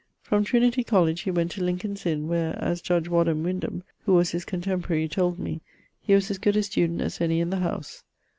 From Trinity Colledge he went to Lincolnes Inne, where (as judge Wadham Windham, who was his contemporary, told me) he was as good a student as any in the house.